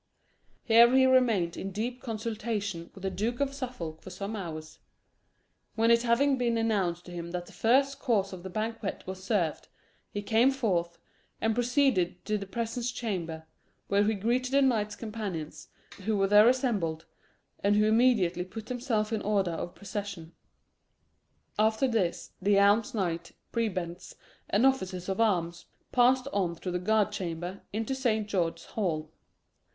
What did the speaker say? Here he remained in deep consultation with the Duke of Suffolk for some hours, when it having been announced to him that the first course of the banquet was served, he came forth, and proceeded to the presence chamber, where he greeted the knights companions, who were there assembled, and who immediately put themselves in order of procession. After this, the alms knights, prebends, and officers of arms passed on through the guard chamber into Saint George's Hall.